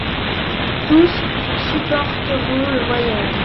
Tous supporteront le voyage.